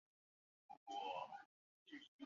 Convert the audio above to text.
初为秘书少监。